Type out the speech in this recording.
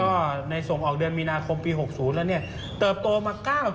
ก็ในส่งออกเดือนมีนาคมปี๖๐แล้วเนี่ยเติบโตมา๙๐